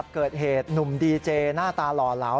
เกิดเหตุหนุ่มดีเจหน้าตาหล่อเหลา